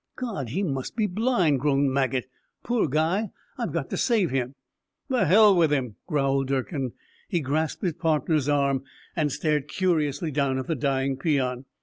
"God, he must be blind," groaned Maget. "Poor guy, I've got to save him." "The hell with him," growled Durkin. He grasped his partner's arm and stared curiously down at the dying peon.